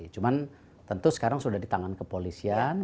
cuman tentu sekarang sudah di tangan kepolisian